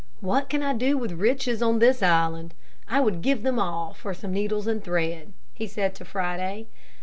"What can I do with riches on this island? I would give them all for some needles and thread," he said to Friday.